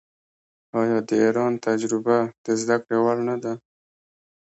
آیا د ایران تجربه د زده کړې وړ نه ده؟